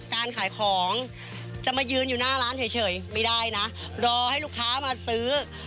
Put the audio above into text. การขายของจะมายืนอยู่หน้าร้านเฉยไม่ได้นะรอให้ลูกค้ามาซื้อ